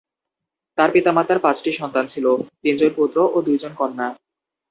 তার মাতা-পিতার পাঁচটি সন্তান ছিল: তিনজন পুত্র ও দুইজন কন্যা।